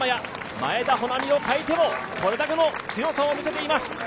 前田穂南を欠いても、これだけの強さを見せています。